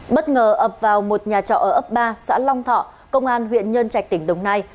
bất ngờ ập vào một nhà trọ ở ấp ba xã long thọ công an huyện nhân trạch tỉnh đồng nai